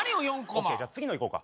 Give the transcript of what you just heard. オーケーじゃあ次のいこうか。